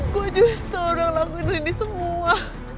gue nyusah orang lakuin ini semua